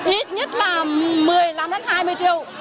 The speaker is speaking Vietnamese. ít nhất là một mươi năm đến hai mươi triệu